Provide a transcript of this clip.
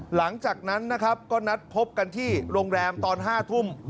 หลังจากนั้นนะครับก็นัดพบกันที่โรงแรมตอน๕ทุ่ม